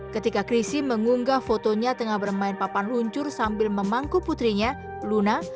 ketika chrisye mengunggah fotonya tengah bermain papan luncur sambil memangku putrinya luna